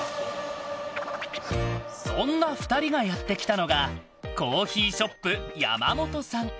そんな２人がやってきたのがコーヒーショップヤマモトさん。